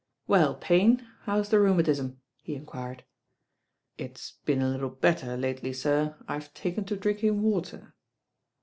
"Well, Payne, how's the rheumatism?" he en quired. "It's been a little better lately, sir; IVe taken to drmking water."